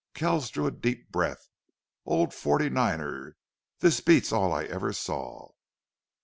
Kells drew a deep breath. "Old forty niner, this beats all I ever saw!"